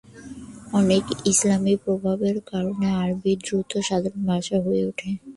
অনেক ইসলামী প্রভাবের কারণে, আরবি দ্রুত সাধারণ ভাষা হয়ে ওঠে।